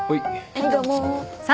はいどうも。